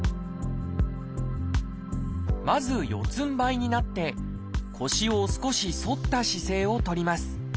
まず四つんばいになって腰を少し反った姿勢を取ります。